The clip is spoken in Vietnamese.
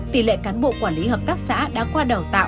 tỷ lệ cán bộ quản lý hợp tác xã đã qua đào tạo